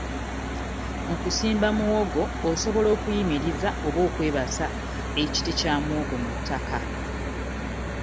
Mu kusimba muwogo osobola okuyimiriza oba okwebasa ekiti kya muwogo mu ttaka.